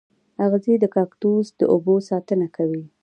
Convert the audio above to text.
اغزي د کاکتوس د اوبو ساتنه کوي